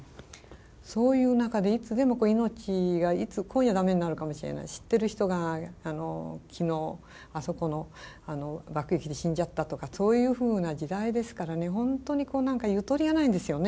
そういう中でいつでも命が今夜ダメになるかもしれない知ってる人が昨日あそこの爆撃で死んじゃったとかそういうふうな時代ですから本当に何かゆとりがないんですよね。